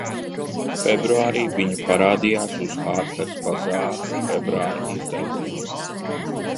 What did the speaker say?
"Februārī viņa parādījās uz "Harpers Bazaar" februāra izdevuma."